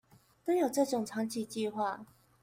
都有這種長期計畫